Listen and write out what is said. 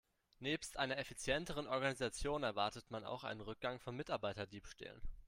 Nebst einer effizienteren Organisation erwartet man auch einen Rückgang von Mitarbeiterdiebstählen.